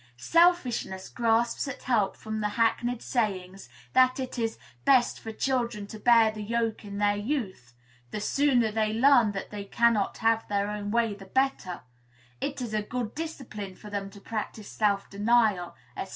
Selfishness grasps at help from the hackneyed sayings, that it is "best for children to bear the yoke in their youth;" "the sooner they learn that they cannot have their own way the better;" "it is a good discipline for them to practise self denial," &c.